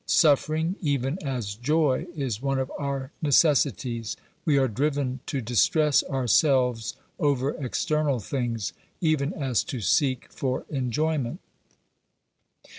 Suffering, even as joy, is one of our necessities ; we are driven to distress ourselves over external things, even as to seek for enjoyment.